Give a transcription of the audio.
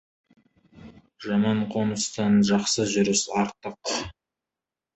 Жаман қоныстан жақсы жүріс артық.